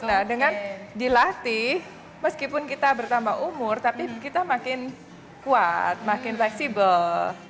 nah dengan dilatih meskipun kita bertambah umur tapi kita makin kuat makin fleksibel